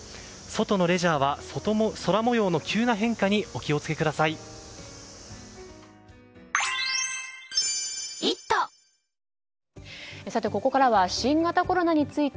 外のレジャーは空模様の急な変化にお気を付けください。